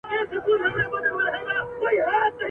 سر افسر د علم پوهي پر میدان وو !.